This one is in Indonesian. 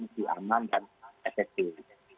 di aman dan efektif